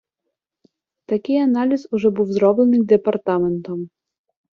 Такий аналіз уже був зроблений департаментом.